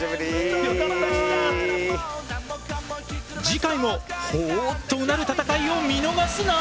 次回もほぉとうなる戦いを見逃すな！